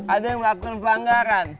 ada yang melakukan pelanggaran